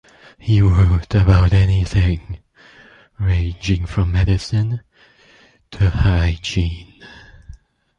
He wrote about anything ranging from medicine to hygiene.